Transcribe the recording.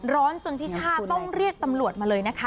ร้อนจนพิช่าต้องเรียกตำรวจมาเลยนะคะ